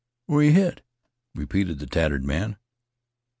"Where yeh hit?" repeated the tattered man.